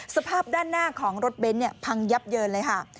สภาพด้านหน้าของรถเบนท์พังยับเยินเลยค่ะ